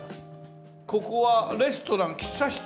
ここはレストラン喫茶室？